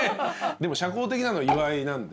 でも社交的なの岩井なんで。